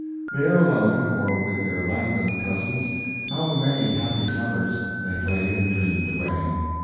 There alone, or with their Langdon cousins, how many happy summers they played and dreamed away.